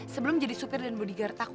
sebelum jadi supir dan bodi gertakku